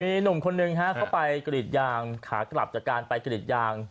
มีหนุ่มคนหนึ่งฮะเข้าไปกรีดยางขากลับจากการไปกรีดยาง